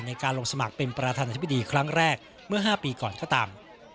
ในการลงสมัครเป็นประธานาธิบดีครั้งแรกเมื่อ๕ปีก่อนก็ตาม